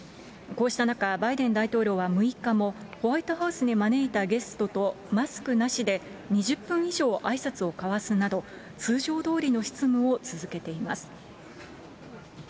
こうした中、バイデン大統領は６日も、ホワイトハウスに招いたゲストとマスクなしで２０分以上あいさつを交わすなど、通常どおりの執務を続けています。